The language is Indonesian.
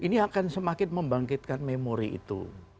ini akan semakin membangkitkan memori itu